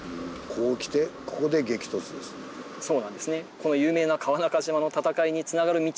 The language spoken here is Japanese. この有名な「川中島の戦い」につながる道